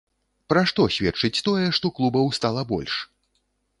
Пра што сведчыць тое, што клубаў стала больш?